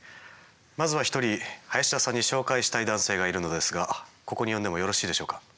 まずは一人林田さんに紹介したい男性がいるのですがここに呼んでもよろしいでしょうか？